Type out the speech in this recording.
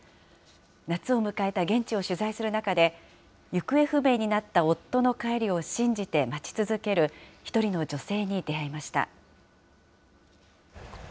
夏を迎えた現地を取材する中で、行方不明になった夫の帰りを信じて待ち続ける１人の女性に出会い